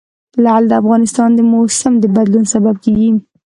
لعل د افغانستان د موسم د بدلون سبب کېږي.